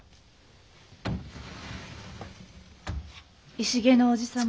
石毛のおじ様。